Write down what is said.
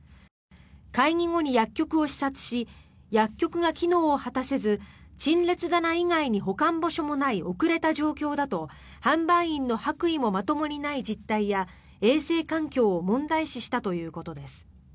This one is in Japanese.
会議後に薬局を視察し薬局が機能を果たせず陳列棚以外に保管場所もない遅れた状況だと販売員の白衣もまともにない実態や衛生環境を問題視したということです。